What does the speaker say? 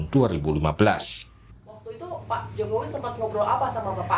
waktu itu pak jokowi sempat ngobrol apa sama bapak